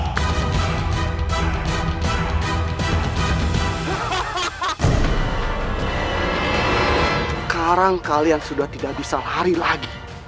sekarang kalian sudah tidak bisa lari lagi